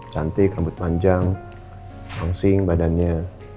cantik rambut panjang langsing badannya